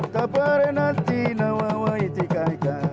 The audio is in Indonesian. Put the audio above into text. saya juga bisa melihatnya